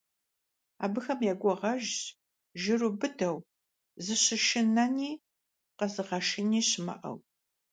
Езыхэм я гугъэжщ жыру быдэу, зыщышынэни къэзыгъэшыни щымыӀэу.